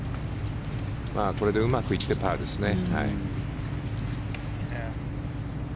これでうまくいってパーですね。